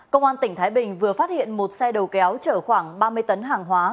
công an tỉnh thái bình vừa phát hiện một xe đầu kéo chở khoảng ba mươi tấn hàng hóa